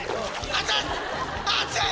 熱い‼